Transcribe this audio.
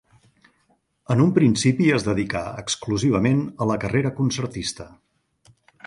En un principi es dedicà exclusivament a la carrera concertista.